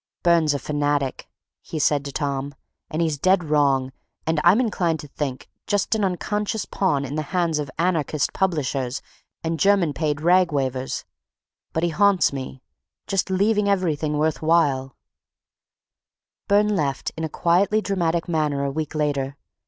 "Burne's a fanatic," he said to Tom, "and he's dead wrong and, I'm inclined to think, just an unconscious pawn in the hands of anarchistic publishers and German paid rag wavers—but he haunts me—just leaving everything worth while—" Burne left in a quietly dramatic manner a week later.